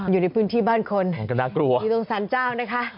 อยู่ในพื้นที่บ้านคนอยู่ตรงสรรเจ้านะคะ